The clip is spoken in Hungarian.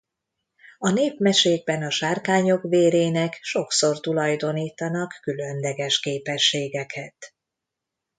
A népmesékben a sárkányok vérének sokszor tulajdonítanak különleges képességeket.